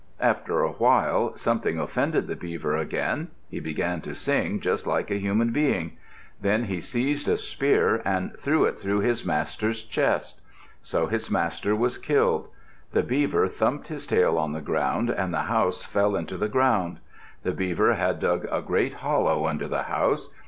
After a while, something offended the beaver again. He began to sing just like a human being. Then he seized a spear and threw it through his master's chest. So his master was killed. The beaver thumped its tail on the ground and the house fell into the ground. The beaver had dug a great hollow under the house.